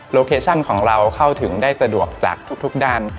โลเคชั่นของเราเข้าถึงได้สะดวกจากทุกด้าน